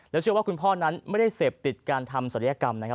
เชื่อว่าคุณพ่อนั้นไม่ได้เสพติดการทำศัลยกรรมนะครับ